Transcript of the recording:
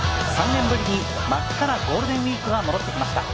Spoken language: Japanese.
３年ぶりに真っ赤なゴールデンウイークが戻ってきました。